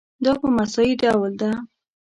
دا په مساوي ډول ده.